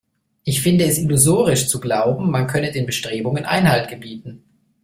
Ich finde es illusorisch zu glauben, man könne den Bestrebungen Einhalt gebieten.